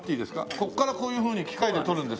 ここからこういうふうに機械で取るんですね。